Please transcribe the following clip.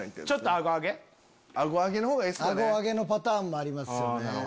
顎上げのパターンもありますよね。